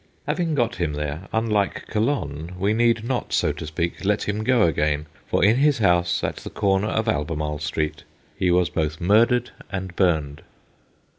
Having got him there, unlike Calonne we need not, so to speak, let him go again, for, in his house at the corner of Albemarle Street, he was both murdered and burned.